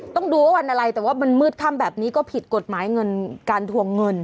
ต้องดูว่าวันอะไรแต่ว่ามันมืดค่ำแบบนี้ก็ผิดกฎหมายเงินการทวงเงิน